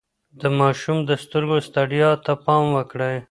د ماشوم د سترګو ستړيا ته پام وکړئ.